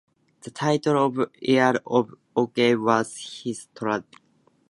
The title of Earl of Orkney was heritable.